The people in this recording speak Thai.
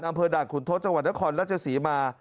อำเภอด่านขุนทศจังหวัดนครราชศรีมา